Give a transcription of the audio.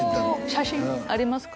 写真ありますか？